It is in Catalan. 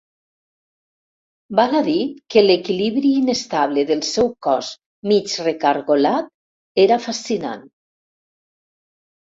Val a dir que l'equilibri inestable del seu cos mig recargolat era fascinant.